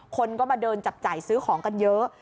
คนก็มาเดินจับจ่ายซื้อของกันเยอะ